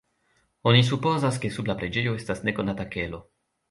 Oni supozas, ke sub la preĝejo estas nekonata kelo.